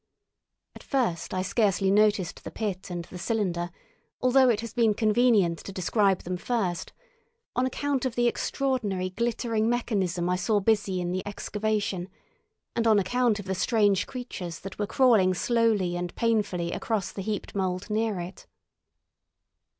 At first I scarcely noticed the pit and the cylinder, although it has been convenient to describe them first, on account of the extraordinary glittering mechanism I saw busy in the excavation, and on account of the strange creatures that were crawling slowly and painfully across the heaped mould near it.